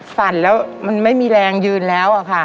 สั่นแล้วมันไม่มีแรงยืนแล้วอะค่ะ